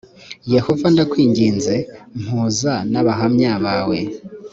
yehova ndakwinginze mpuza n abahamya bawe